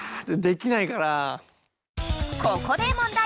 ここで問題。